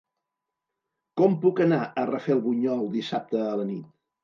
Com puc anar a Rafelbunyol dissabte a la nit?